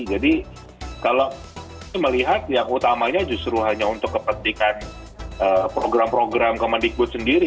jadi kalau melihat yang utamanya justru hanya untuk kependidikan program program kemendikbud sendiri